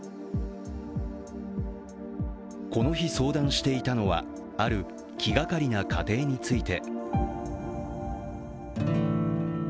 この日、相談していたのはある気がかりな家庭について。